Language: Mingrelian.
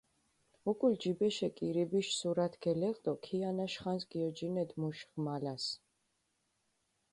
უკულ ჯიბეშე კირიბიშ სურათი გელეღჷ დო ქიანაშ ხანს გიოჯინედჷ მუშ ღმალას.